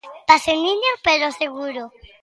Paseniño, pero seguro.